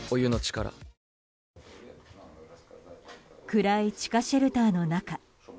暗い地下シェルターの中。